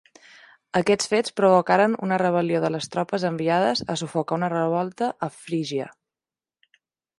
Aquests fets provocaren una rebel·lió de les tropes enviades a sufocar una revolta a Frígia.